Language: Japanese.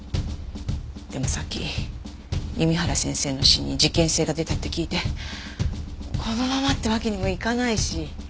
でもさっき弓原先生の死に事件性が出たって聞いてこのままってわけにもいかないし。